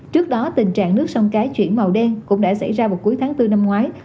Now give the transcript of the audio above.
trước đó tình trạng nước sông cái chuyển màu đen cũng đã xảy ra vào cuối tháng bốn năm ngoái